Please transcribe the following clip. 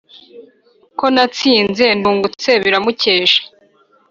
ko natsinze ndungutse, biramukesha.